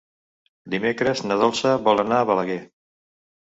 Dimecres na Dolça vol anar a Balaguer.